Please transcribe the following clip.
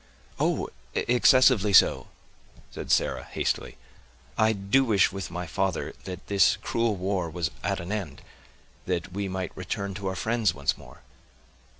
"Oh! excessively so," said Sarah hastily. "I do wish, with my father, that this cruel war was at an end, that we might return to our friends once more."